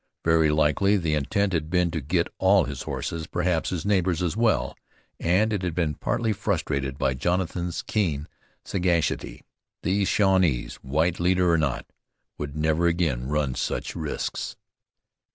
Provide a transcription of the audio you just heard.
Very likely the intent had been to get all his horses, perhaps his neighbor's as well, and it had been partly frustrated by Jonathan's keen sagacity. These Shawnees, white leader or not, would never again run such risks.